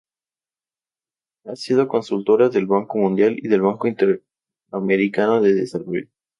Ha sido consultora del Banco Mundial y del Banco Interamericano de Desarrollo.